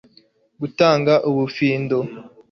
gutanga ubufindo